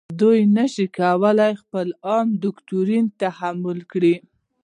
دوی نشي کولای خپل عام دوکتورین تحمیل کړي.